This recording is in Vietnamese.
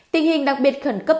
tình hình đặc biệt khẩn cấp